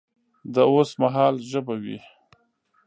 د اوس مهال ژبه وي